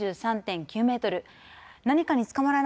３３．９メートル。